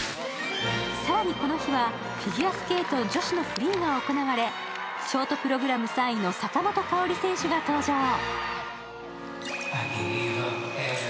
更に、この日はフィギュアスケート女子のフリーが行われ、ショートプログラム３位の坂本花織選手が登場。